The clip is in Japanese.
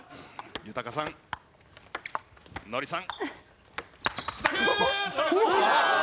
豊さんノリさんつなぐ！